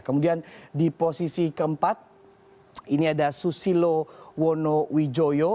kemudian di posisi keempat ini ada susilo wono wijoyo